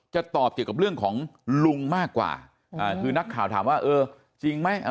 จะตอบเกี่ยวกับเรื่องของลุงมากกว่าคือนักข่าวถามว่าเออจริงไหม